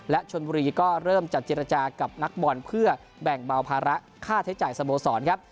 และชนบุรีก็เริ่มจะเจรจากับนักบอลเพื่อแบ่งเบาภาระค่าใช้จ่ายสโมสรครับ